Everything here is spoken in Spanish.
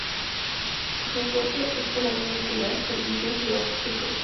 El transporte es por la línea que le hace servicio a Ciudad Sucre.